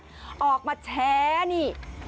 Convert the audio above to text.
จะมาแช้นี่